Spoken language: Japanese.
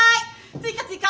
追加追加！